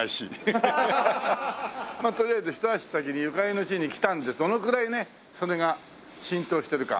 まあとりあえず一足先にゆかりの地に来たんでどのぐらいねそれが浸透してるか。